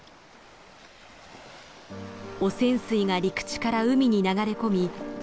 汚染水が陸地から海に流れ込み